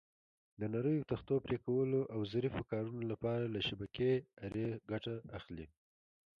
د نریو تختو پرېکولو او ظریفو کارونو لپاره له شبکې آرې ګټه اخلي.